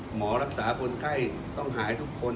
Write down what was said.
หมอรักษาคนไข้ต้องหายทุกคน